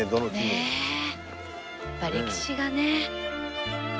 やっぱ歴史がね。